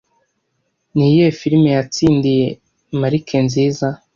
Niyihe firime yatsindiye marike nziza